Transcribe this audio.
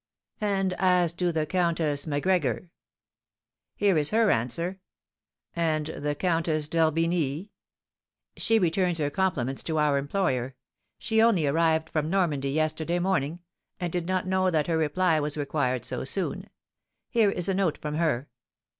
"And as to the Countess Macgregor?" "Here is her answer." "And the Countess d'Orbigny?" "She returns her compliments to our employer. She only arrived from Normandy yesterday morning, and did not know that her reply was required so soon; here is a note from her.